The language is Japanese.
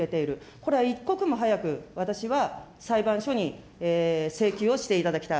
これは一刻も早く私は、裁判所に請求をしていただきたい。